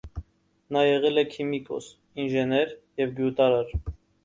Նա եղել է քիմիկոս, ինժեներ և գյուտարար։